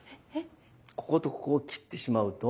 こことここを切ってしまうと。